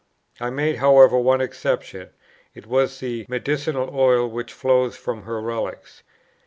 I made, however, one exception; it was the medicinal oil which flows from her relics.